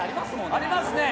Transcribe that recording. ありますね。